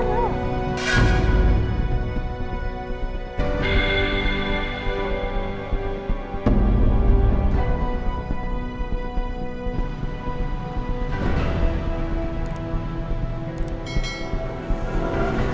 mama gak mau